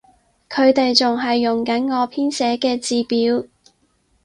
佢哋仲係用緊我編寫嘅字表